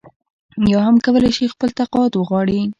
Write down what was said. یا هم کولای شي خپل تقاعد وغواړي.